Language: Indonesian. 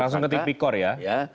langsung ke tipik kor ya